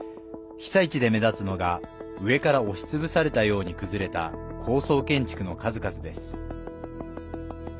被災地で目立つのが上から押し潰されたように崩れた高層建築の数々です。